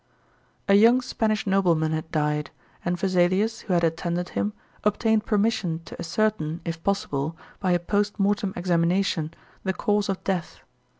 A young Spanish nobleman had died, and Vesalius, who had attended him, obtained permission to ascertain, if possible, by a post mortem examination, the cause of death.